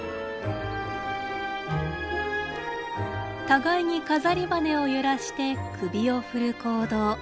互いに飾り羽を揺らして首を振る行動。